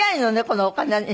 このお金に。